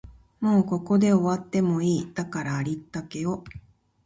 もうここで終わってもいい、だからありったけを